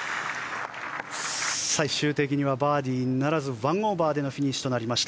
最終的にバーディーならず１オーバーでのフィニッシュですロウリー。